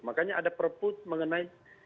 makanya ada perpu mengenai